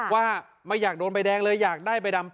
ว่าไม่อยากโดนใบแดงเลยอยากได้ใบดำ